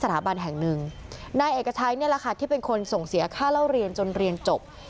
แห่งหนึ่งนายเอกชัยนี่แหละค่ะที่เป็นคนส่งเสียค่าเล่าเรียนจนเรียนจบ